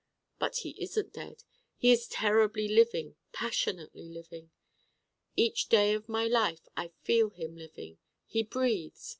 But he isn't dead. He is terribly living, passionately living. Each day of my life I feel him living. He breathes.